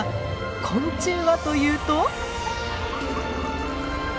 昆虫はというと？